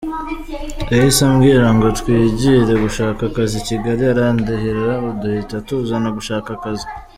Yahise ambwira ngo twigire gushaka akazi i Kigali arandihira duhita tuzana gushaka akazi”.